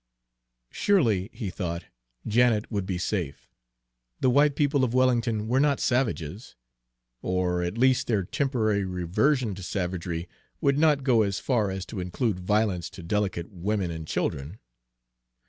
Surely, he thought, Janet would be safe. The white people of Wellington were not savages; or at least their temporary reversion to savagery would not go as far as to include violence to delicate women and children.